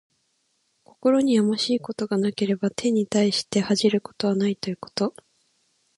心にやましいことがなければ、天に対して恥じることはないということ。